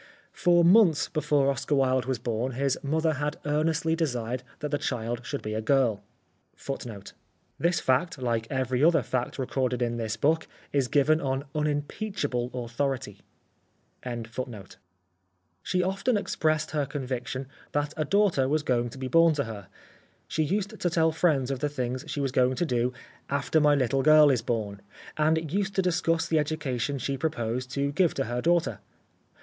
For months before Oscar Wilde was born his mother had earnestly desired that the child should be a girl.^ She often expressed her con 1 This fact, like every other fact recorded in this book, is given on unimpeachable authority. 5 The Life of Oscar Wilde viction that a daughter was going to be born to her. She used to tell friends of the things she was going to do " after my little girl is born/' and used to discuss the education she proposed to give to her daughter.